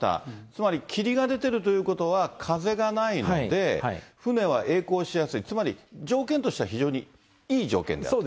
つまり、霧が出てるということは、風がないので、船はえい航しやすい、つまり条件としては非常にいい条件であると。